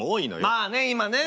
まあね今ね。